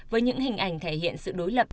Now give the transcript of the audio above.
với những hình ảnh thể hiện sự đối lập